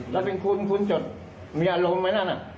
แล้วเป็นคุณคุณจดมีอารมณ์ไหมนั่นอ่ะ